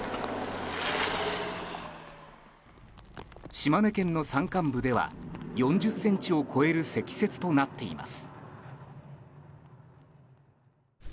島根県の山間部では４０ｃｍを超える積雪となっています。